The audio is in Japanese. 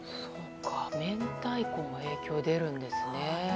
明太子も影響が出るんですね。